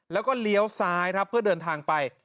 แล้วก็เลี้ยวซ้ายครับเพื่อเดินทางไป